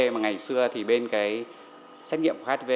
mà ngày xưa thì bên cái xét nghiệm của hiv